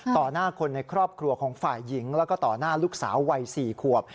หน้าคนในครอบครัวของฝ่ายหญิงแล้วก็ต่อหน้าลูกสาววัย๔ขวบ